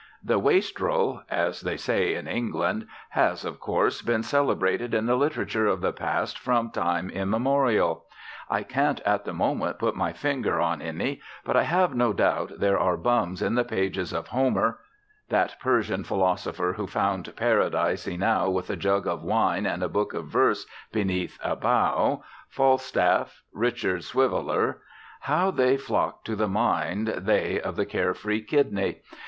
The wastrel (as they say in England) has, of course, been celebrated in the literature of the past from time immemorial. I can't at the moment put my finger on any, but I have no doubt there are bums in the pages of Homer, That Persian philosopher who found paradise enow with a jug of wine and a book of verse beneath a bough, Falstaff, Richard Swiveller, how they flock to the mind, they of the care free kidney!